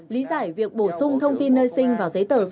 lý giải việc bổ sung thông tin nơi sinh vào giấy tờ của chính phủ